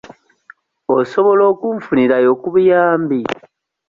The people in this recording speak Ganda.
Osobola okunfunirayo ku buyambi?